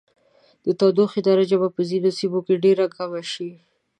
د تودوخې درجه به په ځینو سیمو کې ډیره کمه شي.